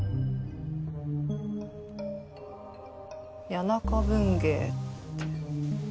『谷中文芸』って。